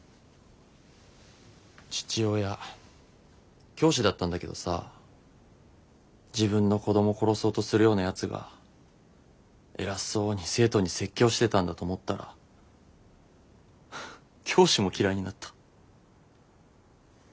父親教師だったんだけどさ自分の子ども殺そうとするようなやつが偉そうに生徒に説教してたんだと思ったらフフ教師も嫌いになった。